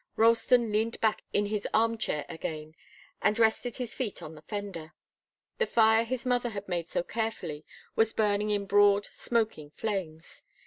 Ralston leaned back in his arm chair again and rested his feet on the fender. The fire his mother had made so carefully was burning in broad, smoking flames.